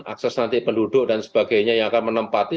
akses nanti penduduk dan sebagainya yang akan menempati